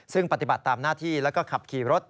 ซึ่งปฏิบัติตามหน้าที่แล้วก็ขับขี่รถ